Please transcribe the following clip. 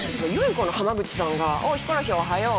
この濱口さんが「ヒコロヒーおはよう」。